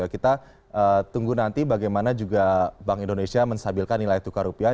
kita tunggu nanti bagaimana juga bank indonesia menstabilkan nilai tukar rupiah